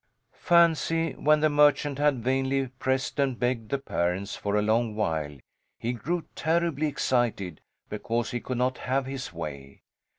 Fancy! When the merchant had vainly pressed and begged the parents for a long while he grew terribly excited because he could not have his way.